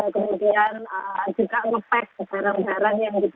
kemudian juga nge pack barang barang yang begitu